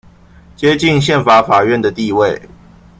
接近憲法法院的地位